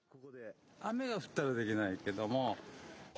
雨がふったらできないけども。